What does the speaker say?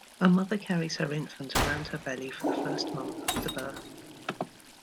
A mother carries her infant around her belly for the first month after birth.